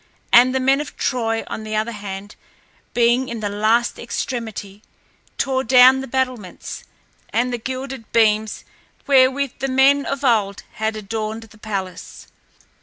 And the men of Troy, on the other hand, being in the last extremity, tore down the battlements and the gilded beams wherewith the men of old had adorned the palace.